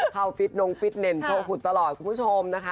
เข้าฟิตนงฟิตเด่นโทษหุดตลอดคุณผู้ชมนะคะ